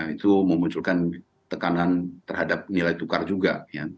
itu memunculkan tekanan terhadap nilai tukar juga